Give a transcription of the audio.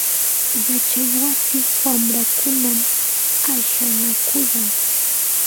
Yachaywasi wamrakunam ashanakuyan.